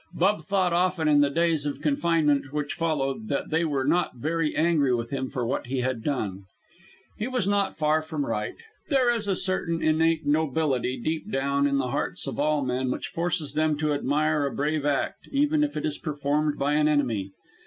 Bub thought often in the days of confinement which followed, that they were not very angry with him for what he had done. He was not far from right. There is a certain innate nobility deep down in the hearts of all men, which forces them to admire a brave act, even if it is performed by an enemy.